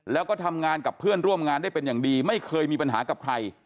แล้วก็ทำงานกับเพื่อนร่วมงานได้เป็นอย่างดีไม่เคยมีปัญหากับใคร